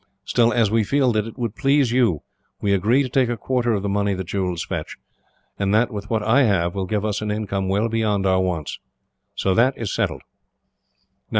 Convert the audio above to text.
Still, as we feel that it would please you, we agree to take a quarter of the money the jewels fetch; and that, with what I have, will give us an income well beyond our wants. So that is settled.